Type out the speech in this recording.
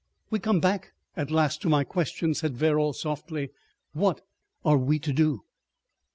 "We come back at last to my question," said Verrall, softly; "what are we to do?"